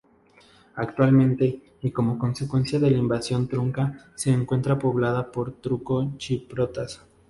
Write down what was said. Actualmente, y como consecuencia de la invasión turca, se encuentra poblada por turco-chipriotas.